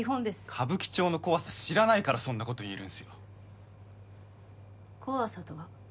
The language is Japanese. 歌舞伎町の怖さ知らないからそんなこと言えるんすよ怖さとは？